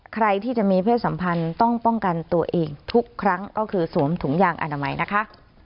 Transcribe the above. ใครที่จะมีเพศสัมพันธ์ต้องป้องกันตัวเองทุกครั้งก็คือสวมถุงยางอนามัยนะคะ